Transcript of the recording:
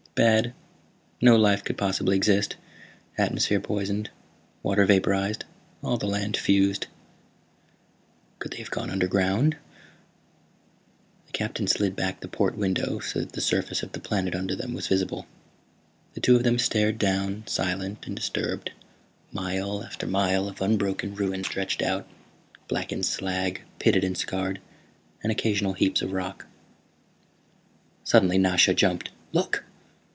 "Bad. No life could possibly exist. Atmosphere poisoned, water vaporized, all the land fused." "Could they have gone underground?" The Captain slid back the port window so that the surface of the planet under them was visible. The two of them stared down, silent and disturbed. Mile after mile of unbroken ruin stretched out, blackened slag, pitted and scarred, and occasional heaps of rock. Suddenly Nasha jumped. "Look!